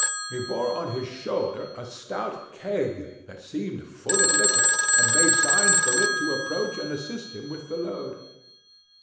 He bore on his shoulder a stout keg, that seemed full of liquor, and made signs for Rip to approach and assist him with the load.